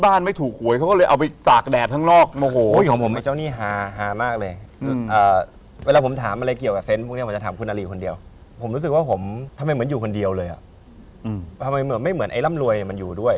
แผลแผลแผลตัวนี้สิ่งบัตรเหตุใหญ่สุด